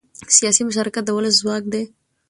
سیاسي مشارکت د ولس ځواک دی